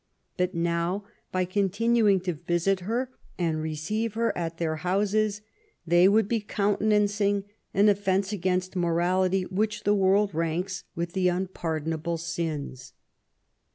But now, by con* tinuiug to visit her and receive her at their houses, they would be countenancing an offence against morality which the world ranks with the unpardonable sins..